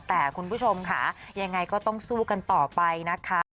แต่คุณผู้ชมค่ะยังไงก็ต้องสู้กันต่อไปนะคะ